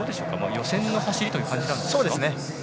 予選の走りという感じですか。